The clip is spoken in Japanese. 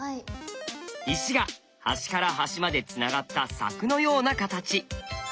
石が端から端までつながった柵のような形。